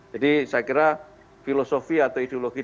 jadi saya kira filosofi atau ideologi